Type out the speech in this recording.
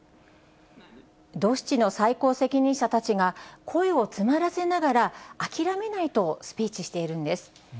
ドシチの最高責任者たちが声を詰まらせながら、諦めないとスピーチしているんです。